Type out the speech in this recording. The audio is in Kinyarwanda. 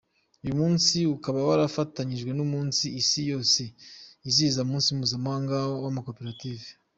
Uyu munsi ukaba warafatanyijwe n’umunsi Isi yose yizihiza umunsi mpuzamahanga w’amakoperative.